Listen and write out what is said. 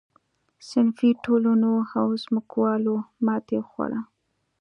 صنفي ټولنو او ځمکوالو ماتې وخوړه.